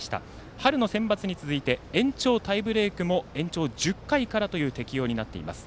春のセンバツに続いてタイブレークも延長１０回からという適用になっています。